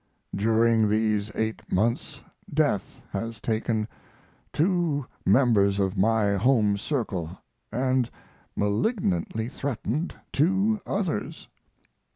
During these eight months death has taken two members of my home circle and malignantly threatened two others.